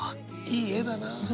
いい絵だな。